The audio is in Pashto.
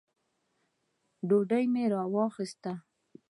ډوډۍ مي راوغوښته .